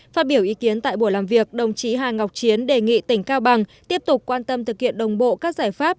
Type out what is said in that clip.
phát biểu ý kiến tại buổi làm việc đồng chí hà ngọc chiến đề nghị tỉnh cao bằng tiếp tục quan tâm thực hiện đồng bộ các giải pháp